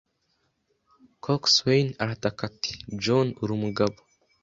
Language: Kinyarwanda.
Coxswain arataka ati: “John, uri umugabo!”